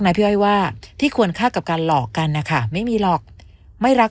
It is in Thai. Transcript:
พี่อ้อยว่าที่ควรฆ่ากับการหลอกกันนะคะไม่มีหรอกไม่รัก